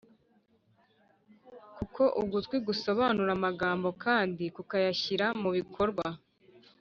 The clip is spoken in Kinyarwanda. Kuko ugutwi gusobanura amagambo kandi kukayashyira mu bikorwa